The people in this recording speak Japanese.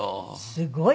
すごい。